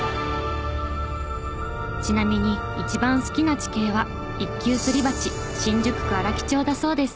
ちなみに一番好きな地形は一級スリバチ新宿区荒木町だそうです。